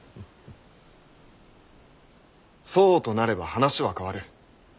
そうとなれば話は変わる。